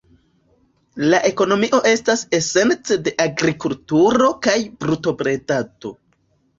La ekonomio estas esence de agrikulturo kaj brutobredado.